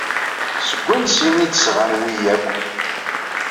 Seg wansi ay d-sɣan wi akk?